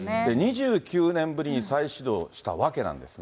２９年ぶりに再始動したわけなんですが。